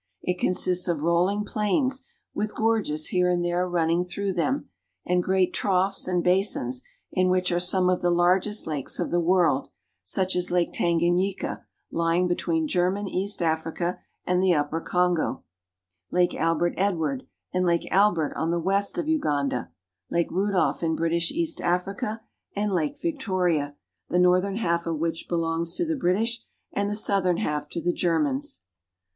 It consists of rolling plains, with gorges here and there running through them, and great troughs and basins in which are some of the largest lakes of the world, such as Lake Tanganyika (tan gan ye'ka), lying between German East Africa and the upper Kongo, Lake Albert Edward and Lake Albert on the west of Uganda, Lake Rudolf in British East Africa, and Lake Victoria, the northern half of which belongs to the British and the southern half to the Germans.